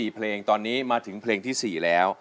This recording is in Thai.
๔เพลงตอนนี้มาถึงเพลงที่๔แล้ว